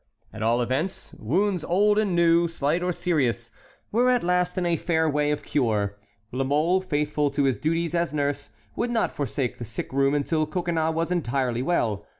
At all events, wounds old and new, slight or serious, were at last in a fair way of cure. La Mole, faithful to his duties as nurse, would not forsake the sick room until Coconnas was entirely well.